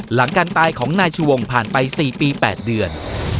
หลังการตายของนายชูวงผ่านไป๔ปี๘เดือน